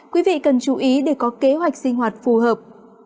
quý vị cần chú ý để có kế hoạch sinh hoạt phù hợp